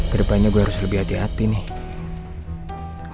ke depannya gua harus lebih hati hati nih